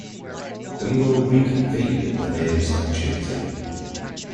We will reconvene at the nearest opportunity.